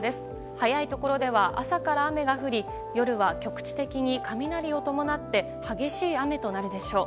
早いところでは朝から雨が降り夜は局地的に雷を伴って激しい雨となるでしょう。